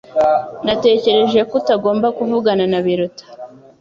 Natekereje ko utagomba kuvugana na Biruta